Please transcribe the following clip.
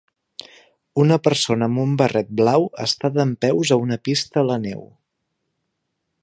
Una persona amb un barret blau està dempeus a una pista a la neu.